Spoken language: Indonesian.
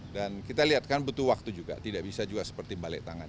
dan kita lihat kan butuh waktu juga tidak bisa juga seperti balik tangan ya